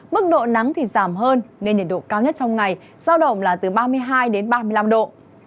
mức độ nắng thì giảm hơn nên nhiệt độ cao nhất trong ngày giao động là từ ba mươi hai đến ba mươi năm độ